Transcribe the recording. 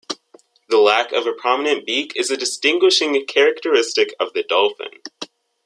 The lack of a prominent beak is a distinguishing characteristic of the dolphin.